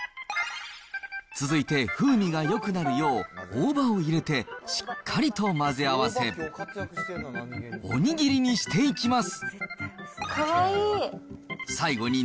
続いて風味がよくなるよう、大葉を入れてしっかりと混ぜ合わせ、おにぎりにしていきます。